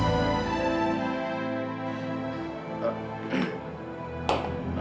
jadi aku karena saya takut dengangreat